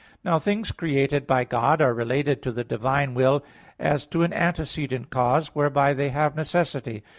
Now things created by God are related to the divine will as to an antecedent cause, whereby they have necessity.